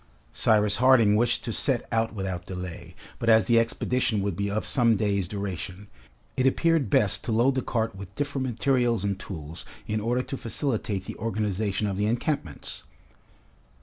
Cyrus Harding wished to set out without delay; but as the expedition would be of some days duration, it appeared best to load the cart with different materials and tools in order to facilitate the organization of the encampments.